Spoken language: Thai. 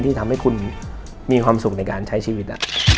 ที่ทำให้คุณมีความสุขในการใช้ชีวิต